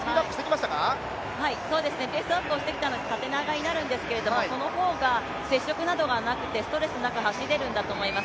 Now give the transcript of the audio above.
ペースアップをしてきたので縦長になるんですけどその方が接触などがなくてストレスなく走れるんだと思います。